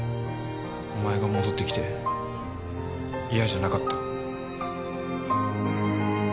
お前が戻ってきて嫌じゃなかった。